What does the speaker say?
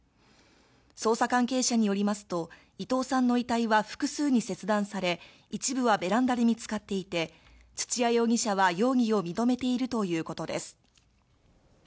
捜査関係者によりますと、伊藤さんの遺体は複数に切断され、一部はベランダで見つかっていて、土屋容疑者は容疑を認めているということです。